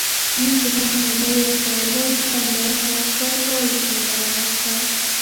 نوم د حق مودی رهبر وایو الله اکبر وایو الله اکبر